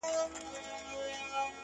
سم داسي ښكاري راته-